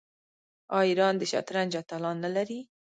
آیا ایران د شطرنج اتلان نلري؟